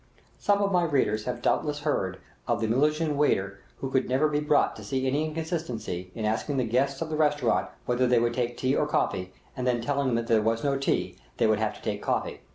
Some of my readers have doubtless heard of the Milesian waiter who could never be brought to see any inconsistency in asking the guests of the restaurant whether they would take tea or coffee, and then telling them there was no tea, they would have to take coffee.